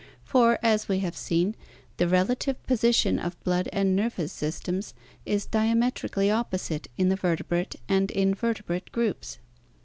For, as we have seen, the relative position of blood and nervous systems is diametrically opposite in the vertebrate and invertebrate groups.